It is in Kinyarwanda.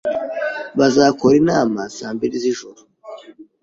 Bazakora inama saa mbiri zijoro.